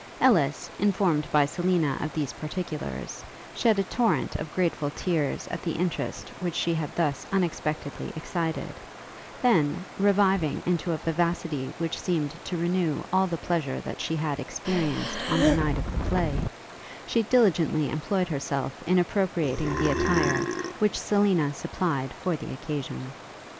Ellis, informed by Selina of these particulars, shed a torrent of grateful tears at the interest which she had thus unexpectedly excited; then, reviving into a vivacity which seemed to renew all the pleasure that she had experienced on the night of the play, she diligently employed herself in appropriating the attire which Selina supplied for the occasion.